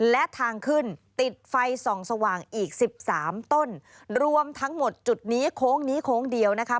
และทางขึ้นติดไฟส่องสว่างอีกสิบสามต้นรวมทั้งหมดจุดนี้โค้งนี้โค้งเดียวนะคะ